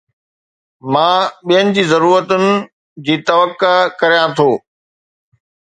مان ٻين جي ضرورتن جي توقع ڪريان ٿو